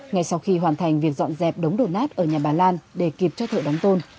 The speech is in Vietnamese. ngay sau khi hoàn thành việc dọn dẹp đống đổ nát ở nhà bà lan để kịp cho thợ đóng tôn